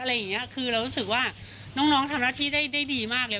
มันตื่นเต้นมันภูมิใจคือเรารู้สึกว่าน้องทำหน้าที่ได้ดีมากเลย